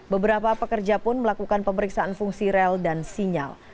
beberapa pekerja pun melakukan pemeriksaan fungsi rel dan sinyal